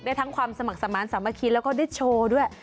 ทั้งความสมัครสมาธิสามัคคีแล้วก็ได้โชว์ด้วย